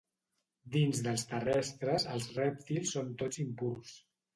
Dins dels terrestres, els rèptils són tots impurs.